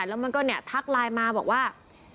แล้วมันก็เนี่ยทักไลน์มาบอกว่า